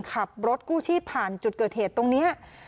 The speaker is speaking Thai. ขับรถกู้ชีพผ่านจุดเกิดเหตุตรงนี้